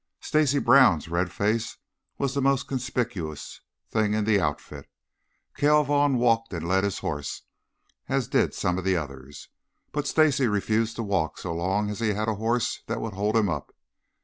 Stacy Brown's red face was the most conspicuous thing in the outfit. Cale Vaughn walked and led his horse, as did some of the others, but Stacy refused to walk so long as he had a horse that would hold him up.